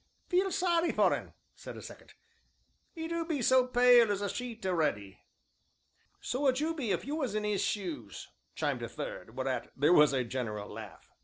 "Feel sorry for un," said a second, "'e do be so pale as a sheet a'ready." "So would you be if you was in 'is shoes!" chimed in a third; whereat there was a general laugh.